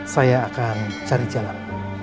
saya akan cari jalan